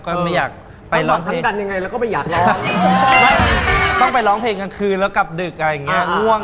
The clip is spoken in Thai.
ก็ไม่อยากไปร้องเพลงต้องไปร้องเพลงกลางคืนแล้วกลับดึกอะไรอย่างเงี้ยง่วง